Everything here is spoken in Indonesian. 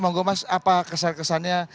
monggo mas apa kesan kesannya